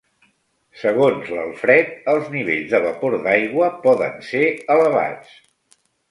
Segons l'Alfred, els nivells de vapor d'aigua poden ser elevats.